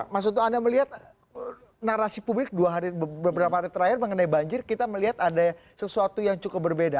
mas uto anda melihat narasi publik beberapa hari terakhir mengenai banjir kita melihat ada sesuatu yang cukup berbeda